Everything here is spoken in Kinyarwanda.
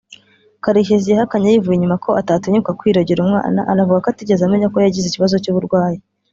Karekezi yahakanye yivuye inyuma ko atatinyuka kwirogera umwana anavuga ko atigeze amenya ko yagize ikibazo cy’uburwayi